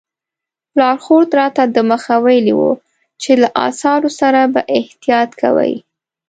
لارښود راته دمخه ویلي وو چې له اثارو سره به احتیاط کوئ.